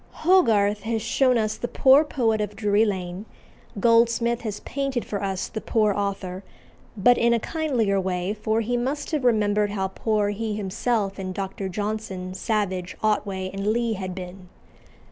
Hogarth has shown us the poor poet of Drury Lane; Goldsmith has painted for us the poor author, but in a kindlier way, for he must have remembered how poor he himself and Dr. Johnson, Savage, Otway, and Lee had been.